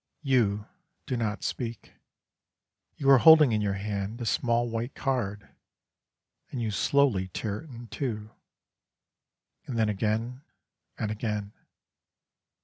You do not speak; you are holding in your hand a small white card, and you slowly tear it in two, and then again and again.